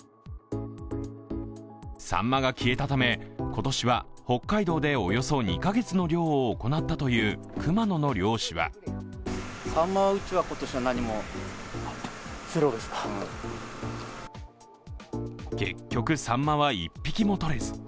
さんまが消えたため、今年は北海道でおよそ２カ月の漁を行ったという熊野の漁師は結局、さんまは１匹もとれず。